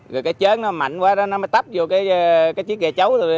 rồi cái chén nó mạnh quá đó nó mới tắp vô cái chiếc ghe chấu